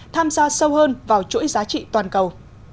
tham gia sâu hơn vào chuỗi giá trị toàn cầu